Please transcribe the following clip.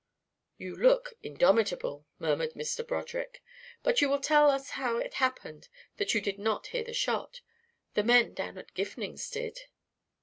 "You look indomitable," murmured Mr. Broderick. "But will you tell us how it happened that you did not hear the shot? The men down at Gifning's did."